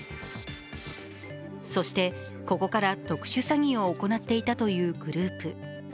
そして、ここから特殊詐欺を行っていたというグループ。